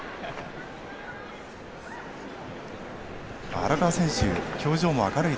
荒川選手表情も明るいですね。